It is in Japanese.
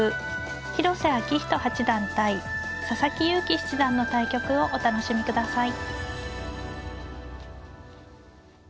広瀬章人八段対佐々木勇気七段の対局をお楽しみください。